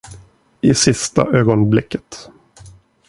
I sista ögonblicket.